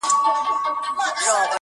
ژوند پسې درياب نه اوړېدۀ غواړي